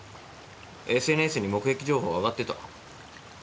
ＳＮＳに目撃情報があがってた。